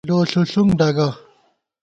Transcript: لوݪُݪُنگ ڈگہ